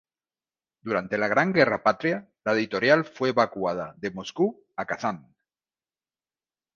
Durante la Gran Guerra Patria la editorial fue evacuada de Moscú a Kazán.